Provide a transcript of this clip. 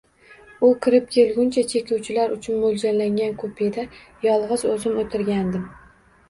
U kirib kelguncha, chekuvchilar uchun moʻljallangan kupeda yolgʻiz oʻzim oʻtirgandim.